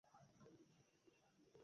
ঐ সময় আমি জোয়ান দানব শিকারি ছিলাম।